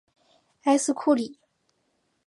埃斯库利。